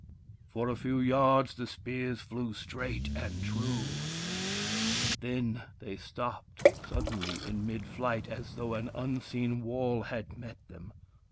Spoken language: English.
For a few yards the spears flew straight and true. But then they stopped suddenly in mid flight, as though an unseen wall had met them.